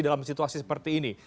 dalam situasi seperti ini